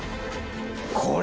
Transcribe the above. これ。